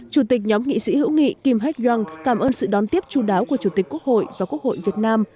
chủ tịch nhóm nghị sĩ hữu nghị kim hạch yong cảm ơn sự đón tiếp chú đáo của chủ tịch quốc hội và quốc hội việt nam